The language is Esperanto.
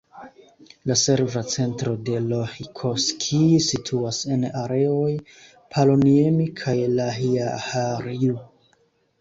La serva centro de Lohikoski situas en areoj Paloniemi kaj Lahjaharju.